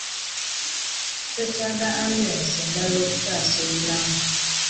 Twetaaga ambyulensi endala okutaasa obulamu.